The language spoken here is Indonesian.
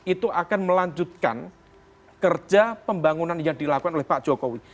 itu akan melanjutkan kerja pembangunan yang dilakukan oleh pak jokowi